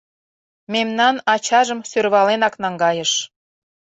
Мемнан ачажым сӧрваленак наҥгайыш.